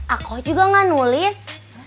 aku juga gak nulis